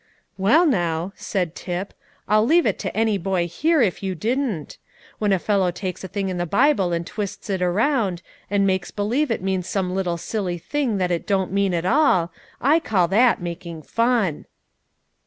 "Well, now," said Tip, "I'll leave it to any boy here if you didn't. When a fellow takes a thing in the Bible and twists it around, and makes believe it means some little silly thing that it don't mean at all, I call that making fun."